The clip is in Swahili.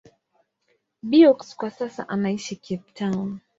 Beukes kwa sasa anaishi Cape Town.